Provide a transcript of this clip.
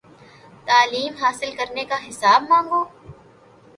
تعلیم حاصل کرنے کا حساب مانگو